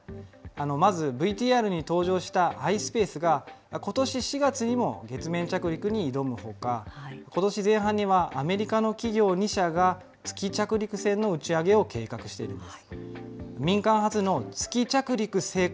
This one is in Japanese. まず、ＶＴＲに登場したｉｓｐａｃｅが、ことし４月にも月面着陸に挑むほか、ことし前半には、アメリカの企業２社が、月着陸船の打ち上げを計画しています。